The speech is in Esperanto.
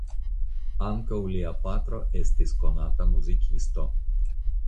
Ankaŭ lia patro estis konata muzikisto.